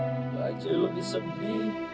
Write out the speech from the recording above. mbak jai lebih sedih